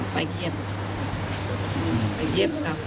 ไปเยี่ยมไปเยี่ยมเขา